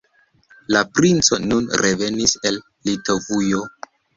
La princo nun revenis el Litovujo.